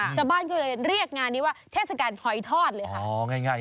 ชาวบ้านก็เลยเรียกงานนี้ว่าเทศกาลหอยทอดเลยค่ะ